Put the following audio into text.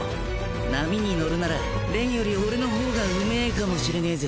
波に乗るならより俺のほうがうめぇかもしれねえぜ。